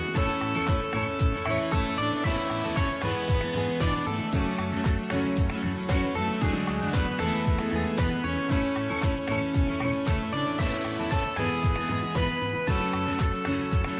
โปรดติดตามต่อไป